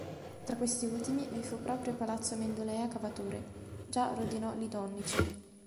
Tra questi ultimi vi fu proprio il palazzo Amendolea-Cavatore, già Rodinò-Lidonnici.